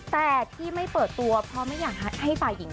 แต่ที่ไม่เปิดตัวเพราะไม่อยากให้ฝ่ายหญิง